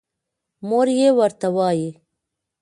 مور يې ورته وايې